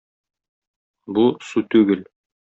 Бу - су түгел.